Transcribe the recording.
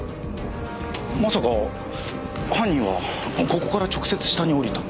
まさか犯人はここから直接下に下りた？